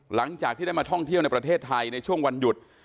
หลังจากที่ได้มาท่องเที่ยวในประเทศไทยในช่วงวันหยุด